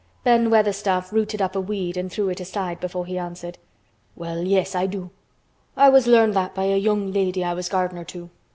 Ben Weatherstaff rooted up a weed and threw it aside before he answered. "Well, yes, I do. I was learned that by a young lady I was gardener to.